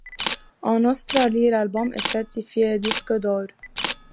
En Australie, l'album est certifié disque d'or.